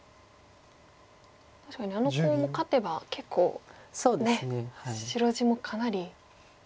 確かにあのコウも勝てば結構白地もかなり増えそうです。